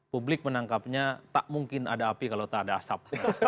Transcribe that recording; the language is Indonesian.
publik menangkapnya tak mungkin ada api kalau tak ada asap